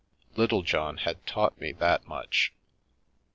Littlejohn had taught me that much.